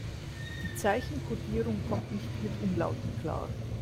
Die Zeichenkodierung kommt nicht mit Umlauten klar.